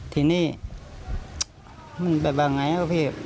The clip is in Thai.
ทีนี้มันแบบว่าไงครับพี่